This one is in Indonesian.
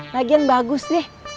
lagian bagus deh